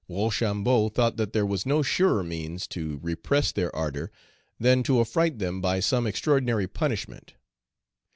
Rochambeau thought that there was no surer means to repress their ardor than to affright them by some extraordinary punishment.